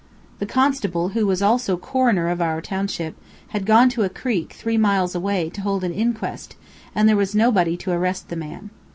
The constable, who was also coroner of our township, had gone to a creek, three miles away, to hold an inquest, and there was nobody to arrest the man.